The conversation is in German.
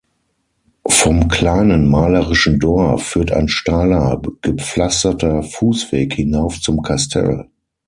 Vom kleinen, malerischen Dorf führt ein steiler, gepflasterter Fußweg hinauf zum Kastell.